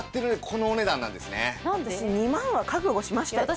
私２万は覚悟しましたよ。